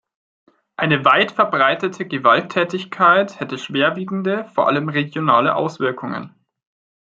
Eine weit verbreitete Gewalttätigkeit hätte schwerwiegende, vor allem regionale Auswirkungen.